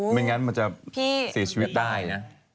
ไม่งั้นมันจะเสียชีวิตได้นะ